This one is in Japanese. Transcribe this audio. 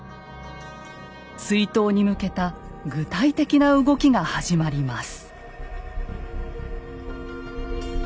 追討に向けた具体的な動きが始まります。